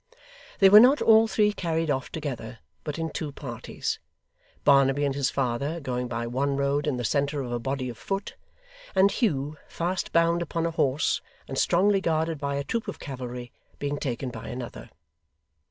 They were not all three carried off together, but in two parties; Barnaby and his father, going by one road in the centre of a body of foot; and Hugh, fast bound upon a horse, and strongly guarded by a troop of cavalry, being taken by another.